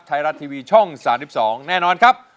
ไทยรัฐทีวีช่อง๓๒แน่นอนครับ